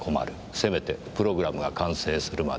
せめてプログラムが完成するまで。